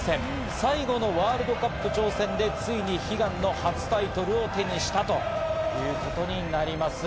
最後のワールドカップ挑戦でついに悲願の初タイトルを手にしたということになります。